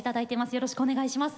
よろしくお願いします。